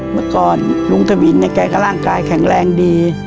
เมื่อก่อนลุงทวิชแรงแข็งแรงดี